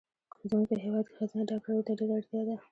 زمونږ په هېواد کې ښځېنه ډاکټرو ته ډېره اړتیا ده